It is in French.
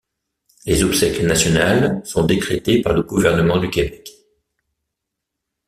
Les obsèques nationales sont décrétées par le gouvernement du Québec.